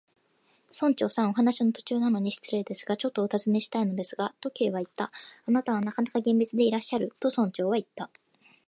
「村長さん、お話の途中なのに失礼ですが、ちょっとおたずねしたいのですが」と、Ｋ はいった。「あなたはなかなか厳密でいらっしゃる」と、村長はいった。